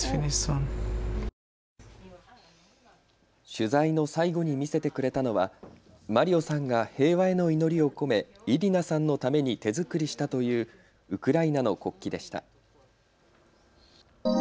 取材の最後に見せてくれたのはマリオさんが平和への祈りを込めイリナさんのために手作りしたというウクライナの国旗でした。